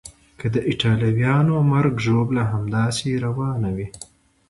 که د ایټالویانو مرګ ژوبله همداسې روانه وي.